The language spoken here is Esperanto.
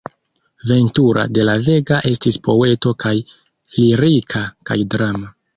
Ventura de la Vega estis poeto kaj lirika kaj drama.